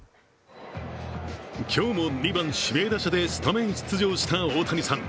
今日も２番・指名打者でスタメン出場した大谷さん。